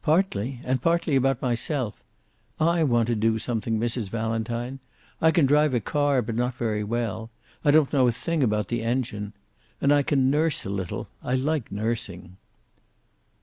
"Partly. And partly about myself. I want to do something, Mrs. Valentine. I can drive a car, but not very well. I don't know a thing about the engine. And I can nurse a little. I like nursing."